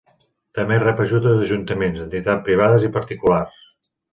També rep ajudes d'ajuntaments, entitats privades, i particulars.